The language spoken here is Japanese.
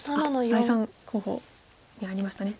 第３候補にありましたね